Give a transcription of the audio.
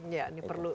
ya ini perlu